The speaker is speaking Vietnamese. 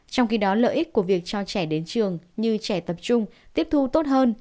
trong khi đó lợi ích của việc cho trẻ đến trường như trẻ tập trung tiếp thu tốt hơn